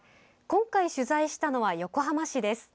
今回取材したのは横浜市です。